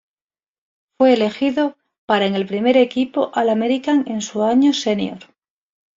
Fue elegido para en el primer equipo All-American en su año senior.